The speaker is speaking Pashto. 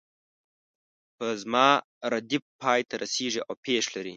په زما ردیف پای ته رسیږي او پیښ لري.